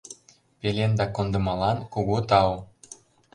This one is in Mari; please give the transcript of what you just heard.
— Пеленда кондымылан кугу тау!